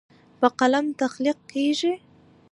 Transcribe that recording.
په قلم تخلیق کیږي.